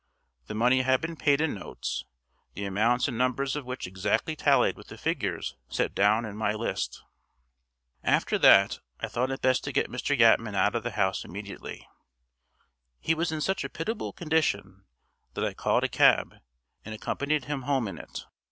The money had been paid in notes, the amounts and numbers of which exactly tallied with the figures set down in my list. After that, I thought it best to get Mr. Yatman out of the house immediately. He was in such a pitiable condition that I called a cab and accompanied him home in it.